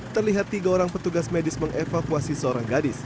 terlihat tiga orang petugas medis mengevakuasi seorang gadis